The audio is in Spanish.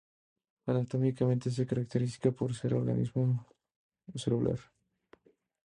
Anatómicamente se caracteriza, por ser un organismo unicelular.